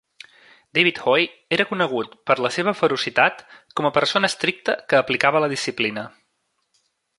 David Hoy era conegut per la seva ferocitat com a persona estricta que aplicava la disciplina.